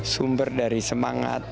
sumber dari semangat